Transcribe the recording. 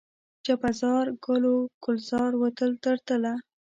جبه زار، ګل و ګلزار و تل تر تله